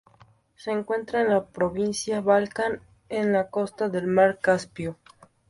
Se encuentra en la provincia Balkan, en la costa del mar Caspio.